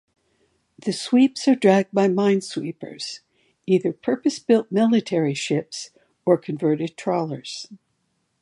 The sweeps are dragged by minesweepers, either purpose-built military ships or converted trawlers.